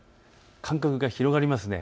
間隔が広がりますね。